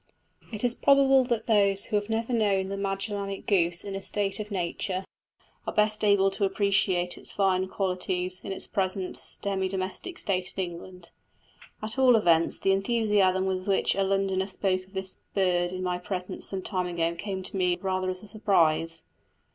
It is probable that those who have never known the Magellanic goose in a state of nature are best able to appreciate its fine qualities in its present semi domestic state in England. At all events the enthusiasm with which a Londoner spoke of this bird in my presence some time ago came to me rather as a surprise.